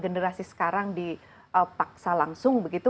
generasi sekarang dipaksa langsung begitu